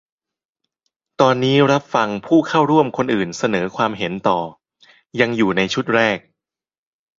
ตอนนี้รับฟังผู้เข้าร่วมคนอื่นเสนอความเห็นต่อ ยังอยู่ในชุดแรก